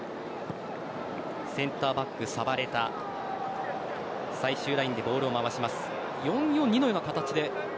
センターバック・サヴァレタ最終ラインでボールを回します。